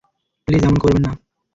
Please এমন করবেন না।